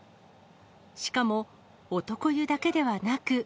しかも、男湯だけでなく。